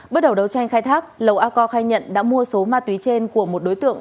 bước đầu đấu tranh khai thác lầu a co khai nhận đã mua số ma túy trên của một đối tượng